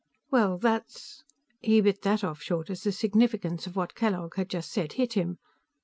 "Well, that's " He bit that off short as the significance of what Kellogg had just said hit him.